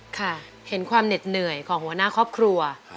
ค่ะเห็นความเหน็ดเหนื่อยของหัวหน้าครอบครัว